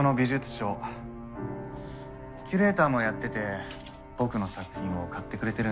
キュレーターもやってて僕の作品を買ってくれてるんだ。